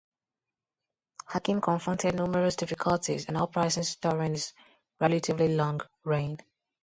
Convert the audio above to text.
Hakim confronted numerous difficulties and uprisings during his relatively long reign.